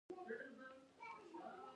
د خوب لپاره څه شی اړین دی؟